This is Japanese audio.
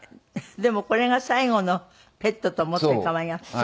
でもこれが最後のペットと思って可愛がって。